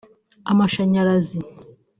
amashanyarazi